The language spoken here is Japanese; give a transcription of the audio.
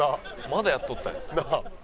まだやっとったんや。